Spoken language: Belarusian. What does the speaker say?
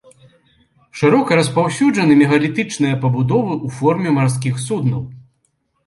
Шырока распаўсюджаны мегалітычныя пабудовы ў форме марскіх суднаў.